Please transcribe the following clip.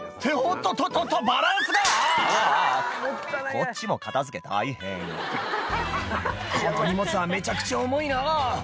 こっちも片付け大変「この荷物はめちゃくちゃ重いな」